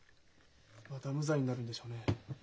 また無罪になるんでしょうね。